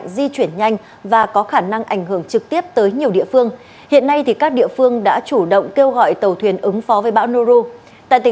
xin chào và hẹn gặp lại